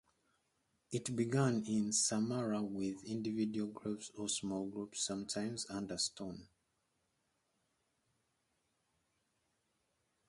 It began in the Samara with individual graves or small groups sometimes under stone.